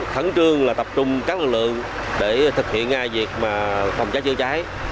khẩn trương là tập trung các lực lượng để thực hiện ngay việc mà phòng cháy chữa cháy